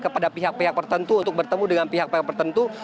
pihak pihak pertentu untuk bertemu dengan pihak pihak pertentu